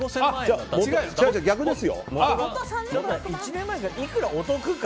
１年前からいくらお得か。